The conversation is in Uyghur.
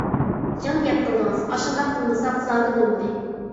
جىڭ گەپ قىلدىڭىز، ئاشۇنداق قىلمىساق زادى بولمىدى!